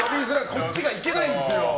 こっちが行けないんですよ。